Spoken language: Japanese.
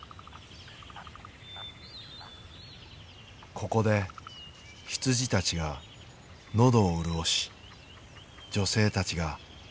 ここで羊たちが喉を潤し女性たちが水をくんだのか。